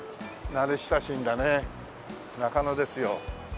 慣れ親しんだね中野ですよ。